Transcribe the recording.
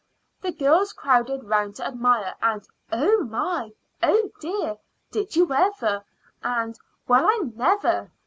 The girls crowded round to admire, and "Oh, my!" "Oh, dear!" "Did you ever?" and "Well, I never!"